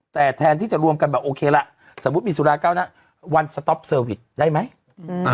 แต่แทนที่จะรวมกันแบบโอเคล่ะสมมุติมีสุราเก้าน่ะได้ไหมอืม